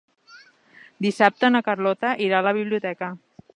Dissabte na Carlota irà a la biblioteca.